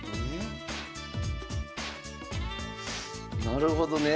なるほどね。